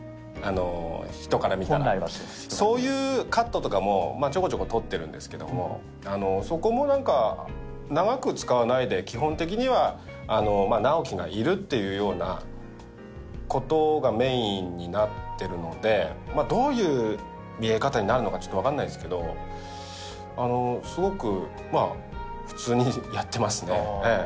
人から見たら本来はそういうカットとかもちょこちょこ撮ってるんですけどもそこも何か長く使わないで基本的には直木がいるっていうようなことがメインになってるのでどういう見え方になるのかちょっと分かんないですけどあのすごく普通にやってますねええ